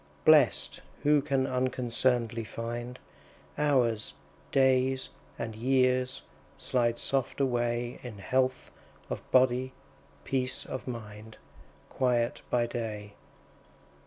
Blest, who can unconcern'dly find Hours, days, and years, slide soft away In health of body, peace of mind, Quiet by day.